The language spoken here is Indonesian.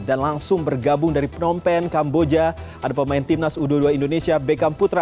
dan langsung bergabung dari phnom penh kamboja ada pemain timnas u dua puluh dua indonesia bekam putra